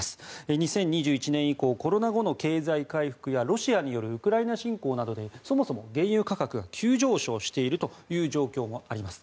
２０２１年以降コロナ後の経済回復やロシアによるウクライナ侵攻などでそもそも原油価格が急上昇しているという状況もあります。